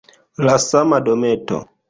La sama dometo!